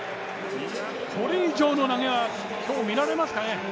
これ以上の投げは今日、見られますかね。